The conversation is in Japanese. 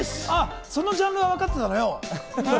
そのジャンルは分かってたのよ。